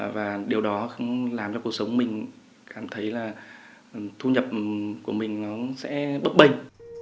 và điều đó làm cho cuộc sống mình cảm thấy là thu nhập của mình nó sẽ bất bình